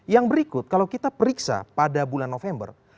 yang berikut kalau kita periksa pada bulan november